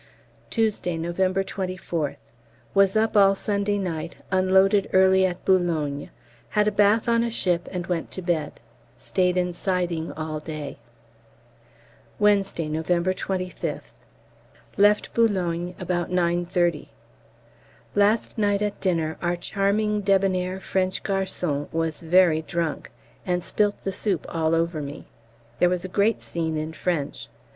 Tuesday, November 24th. Was up all Sunday night; unloaded early at Boulogne. Had a bath on a ship and went to bed. Stayed in siding all day. Wednesday, November 25th. Left B. about 9.30. Last night at dinner our charming debonair French garçon was very drunk, and spilt the soup all over me! There was a great scene in French.